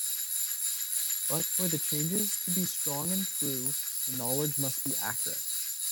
But for the changes to be strong and true, the knowledge must be accurate.